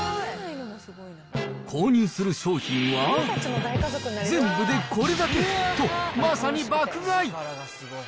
購入する商品は、全部でこれだけ、と、まさに爆買い。